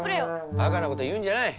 バカなこと言うんじゃない。